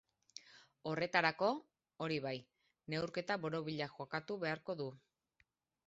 Horretarako, hori bai, neurketa borobila jokatu beharko du.